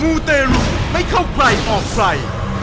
มูเตรุไม่เข้าใกล้ออกไฟ